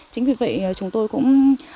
chính vì vậy chúng tôi cũng